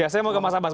saya mau ke mas abas